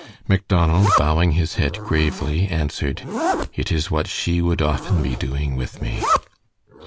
Macdonald, bowing his head gravely, answered: "It is what she would often be doing with me."